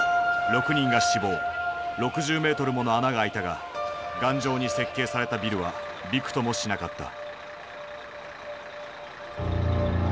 ６人が死亡６０メートルもの穴が空いたが頑丈に設計されたビルはびくともしなかった。